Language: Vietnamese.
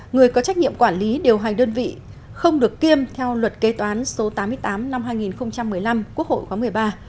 người có trách nhiệm quản lý điều hành đơn vị không được kiêm theo luật kế toán số tám mươi tám năm hai nghìn một mươi năm quốc hội khóa một mươi ba